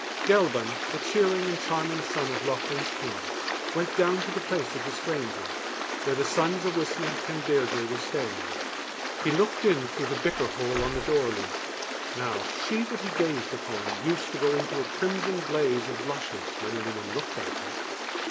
Gelban, the cheering and charming son of Lochlin's King, went down to the place of the strangers, where the sons of Uisnech and Deirdre were staying. He looked in through the bicker hole on the door leaf. Now she that he gazed upon used to go into a crimson blaze of blushes when any one looked at her.